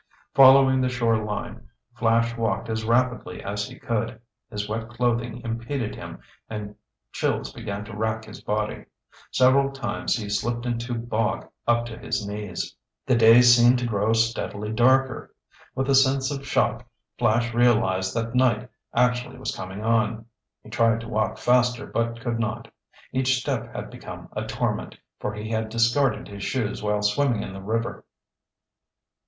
Following the shore line, Flash walked as rapidly as he could. His wet clothing impeded him and chills began to rack his body. Several times he slipped into bog up to his knees. The day seemed to grow steadily darker. With a sense of shock Flash realized that night actually was coming on. He tried to walk faster but could not. Each step had become a torment, for he had discarded his shoes while swimming in the river.